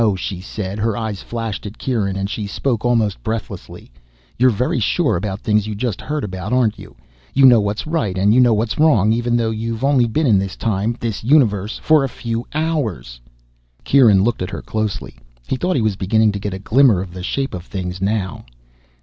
she said. Her eyes flashed at Kieran and she spoke almost breathlessly. "You're very sure about things you just heard about, aren't you? You know what's right and you know what's wrong, even though you've only been in this time, this universe, for a few hours!" Kieran looked at her closely. He thought he was beginning to get a glimmer of the shape of things now.